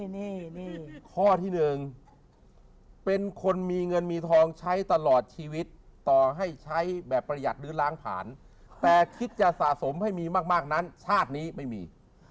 นี่ข้อที่๑เป็นคนมีเงินมีทองใช้ตลอดชีวิตต่อให้ใช้แบบประหยัดหรือล้างผ่านแต่คิดจะสะสมให้มีมากนั้นชาตินี้ไม่มี